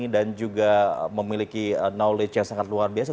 dan juga memiliki knowledge yang sangat luar biasa